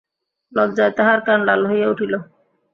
লজ্জায় তাহার কান লাল হইয়া উঠিল।